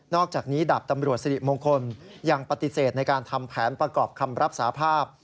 อกจากนี้ดาบตำรวจสิริมงคลยังปฏิเสธในการทำแผนประกอบคำรับสาภาพ